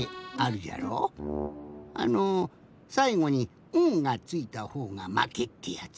あのさいごに「ん」がついたほうがまけってやつ。